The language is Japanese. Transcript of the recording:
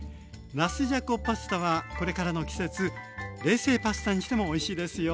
なすじゃこパスタはこれからの季節冷静パスタにしてもおいしいですよ。